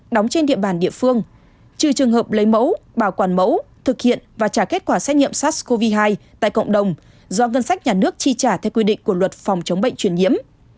đóng trên địa bàn địa phương trừ trường hợp lấy mẫu bảo quản mẫu thực hiện và trả kết quả xét nghiệm sars cov hai tại cộng đồng do ngân sách nhà nước chi trả theo quy định của luật phòng chống bệnh truyền nhiễm